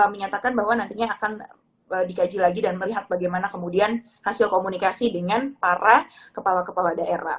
menyatakan bahwa nantinya akan dikaji lagi dan melihat bagaimana kemudian hasil komunikasi dengan para kepala kepala daerah